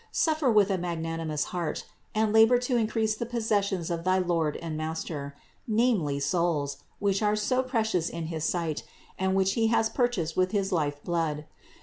Suffer with a magnanimous heart, and labor to increase the possessions of thy Lord and Master, namely, souls, which are so 528 CITY OF GOD precious in his sight and which He has purchased with his life blood.